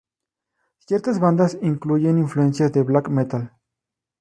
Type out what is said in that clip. Ciertas bandas incluyen influencias del black metal.